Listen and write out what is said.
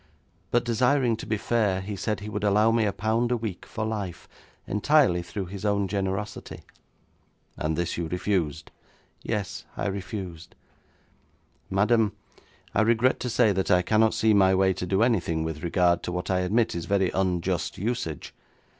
But, desiring to be fair, he said he would allow me a pound a week for life, entirely through his own generosity.' 'And this you refused?' 'Yes, I refused.' 'Madam, I regret to say that I cannot see my way to do anything with regard to what I admit is very unjust usage.